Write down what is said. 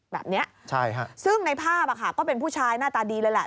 แบบนี้ซึ่งในภาพก็เป็นผู้ชายหน้าตาดีเลยแหละ